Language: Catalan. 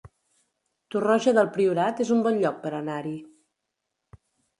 Torroja del Priorat es un bon lloc per anar-hi